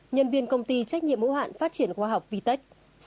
sáu nhân viên công ty trách nhiệm ưu hạn phát triển khoa học vtec